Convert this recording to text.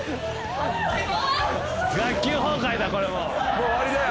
もう終わりだよ。